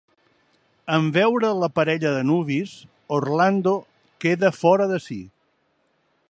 En veure la parella de nuvis Orlando queda fora de si.